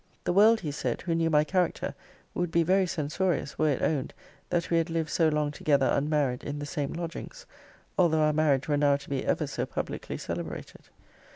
The world, he said, who knew my character, would be very censorious, were it owned, that we had lived so long together unmarried in the same lodgings; although our marriage were now to be ever so publicly celebrated.